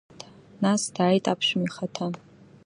Нас дааит аԥшәма ихаҭа.